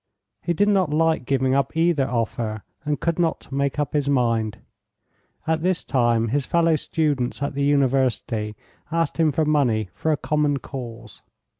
He did not like giving up either offer, and could not make up his mind. At this time his fellow students at the university asked him for money for a common cause.